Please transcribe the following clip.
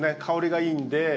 香りがいいんで。